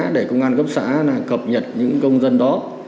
để công an cấp xã cập nhật những công dân đó